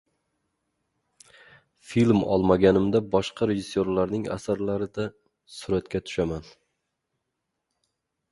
Film olmaganimda boshqa rejissyorlarning asarlarida suratga tushaman.